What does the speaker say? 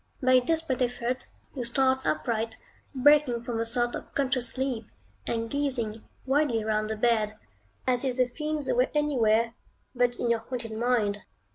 By a desperate effort, you start upright, breaking from a sort of conscious sleep, and gazing wildly round the bed, as if the fiends were anywhere but in your haunted mind.